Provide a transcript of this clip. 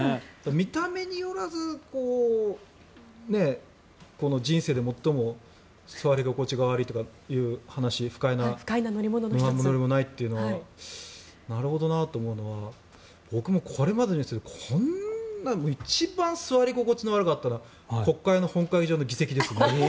見た目によらず人生で最も座り心地が悪いという話不快な乗り物はないっていうのはなるほどなと思うのは僕もこれまでの人生でこんな一番座り心地の悪かったのは国会の本会議場の議席ですね。